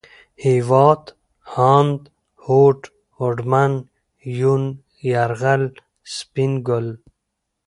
هېواد ، هاند ، هوډ ، هوډمن ، يون ، يرغل ، سپين ګل